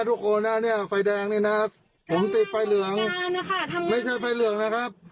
ทุกคนนะเนี่ยไฟแดงนี่นะผมติดไฟเหลืองไม่ใช่ไฟเหลืองนะครับ